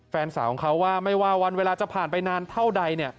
แฟนสาวของเขาว่าไม่ว่าวันเวลาจะผ่านไปนานเท่าใด